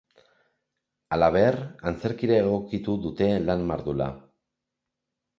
Halaber, antzerkira egokitu dute lan mardula.